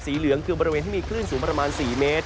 เหลืองคือบริเวณที่มีคลื่นสูงประมาณ๔เมตร